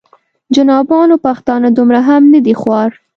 جنابانو پښتانه دومره هم نه دي خوار.